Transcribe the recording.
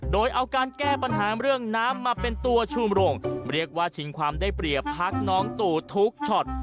โดยเอาการแก้ปัญหาเรื่องน้ำมาเป็นตัวชูมรงเรียกว่าชิงความได้เปรียบพักน้องตู่ทุกช็อต